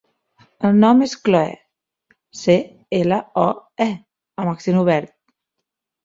El nom és Cloè: ce, ela, o, e amb accent obert.